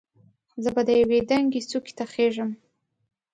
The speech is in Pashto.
زه به یوې دنګې څوکې ته خېژم.